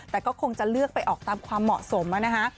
แต่ก็คงจะเลือกไปออกตามความเหมาะสมนะคะ